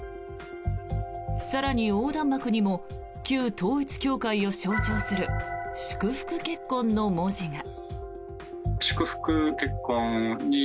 更に、横断幕にも旧統一教会を象徴する「祝福結婚」の文字が。